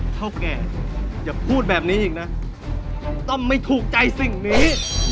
เท่าแก่อย่าพูดแบบนี้อีกนะต้องไม่ถูกใจสิ่งนี้